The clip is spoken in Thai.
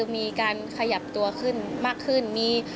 มีการขยับตัวขึ้นมากขึ้น